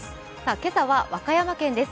今朝は和歌山県です。